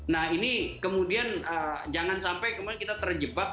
nah ini kemudian jangan sampai kemudian kita terjebak